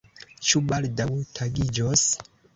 Ĉu baldaŭ tagiĝos?